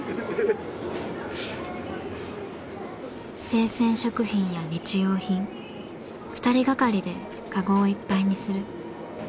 生鮮食品や日用品２人がかりでかごをいっぱいにする。